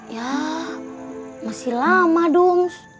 ya masih lama doms